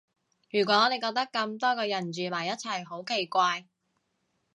如果你覺得咁多個人住埋一齊好奇怪